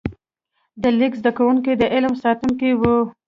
د لیک زده کوونکي د علم ساتونکي وو.